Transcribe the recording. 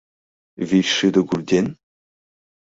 — Вичшӱдӧ гульден?